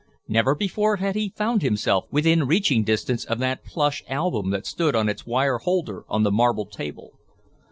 Never before had he found himself within reaching distance of that plush album that stood on its wire holder on the marble table.